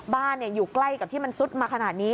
อยู่ใกล้กับที่มันซุดมาขนาดนี้